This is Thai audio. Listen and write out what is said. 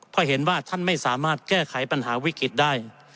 เพราะเห็นว่าท่านไม่สามารถแก้ไขปัญหาวิกฤตได้